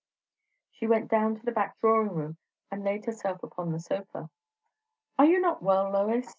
She went down to the back drawing room and laid herself upon the sofa. "Are you not well, Lois?"